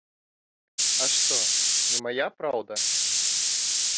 А што, не мая праўда?